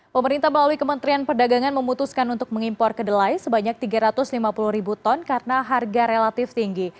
pemerintah melalui kementerian perdagangan memutuskan untuk mengimpor kedelai sebanyak tiga ratus lima puluh ribu ton karena harga relatif tinggi